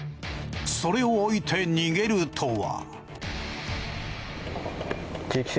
それを置いて逃げるとは。